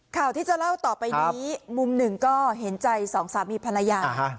ข่าวที่จะเล่าต่อไปนี้มุมหนึ่งก็เห็นใจสองสามีภรรยา